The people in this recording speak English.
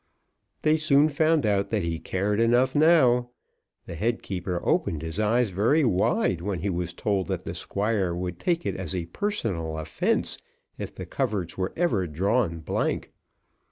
They soon found out that he cared enough now. The head keeper opened his eyes very wide when he was told that the Squire would take it as a personal offence if the coverts were ever drawn blank.